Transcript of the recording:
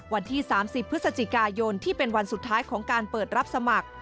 วันที่๓๐พฤศจิกายนที่เป็นวันสุดท้ายของการเปิดรับสมัคร